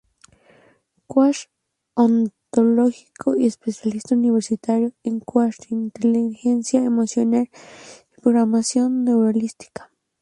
Coach Ontológico y especialista universitario en Coaching, Inteligencia Emocional y Programación Neurolingüística.